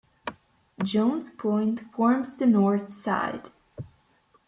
Jones Point forms the north side.